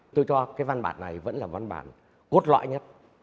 tôi cho cái văn bản này vẫn là văn bản cốt lõi nhất